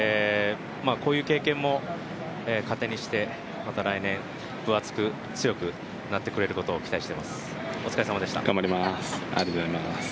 こういう経験も糧にして、また来年、分厚く強くなってくれることを期待しています。